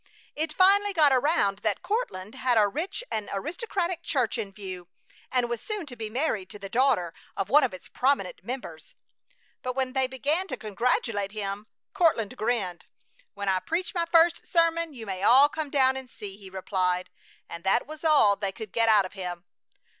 It finally got around that Courtland had a rich and aristocratic church in view, and was soon to be married to the daughter of one of its prominent members. But when they began to congratulate him, Courtland grinned. "When I preach my first sermon you may all come down and see," he replied, and that was all they could get out of him.